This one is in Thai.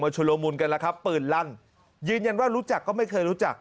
ชุลมุนกันแล้วครับปืนลั่นยืนยันว่ารู้จักก็ไม่เคยรู้จัก